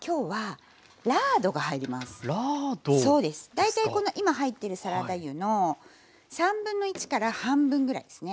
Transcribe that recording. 大体この今入ってるサラダ油の1/3から半分ぐらいですね。